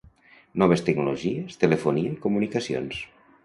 Noves tecnologies, telefonia i comunicacions.